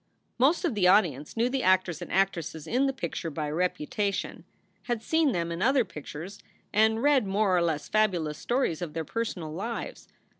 Most of the audience knew the actors and actresses in the picture by reputation, had seen them in other pictures, and read more or less fabulous stories of their personal lives.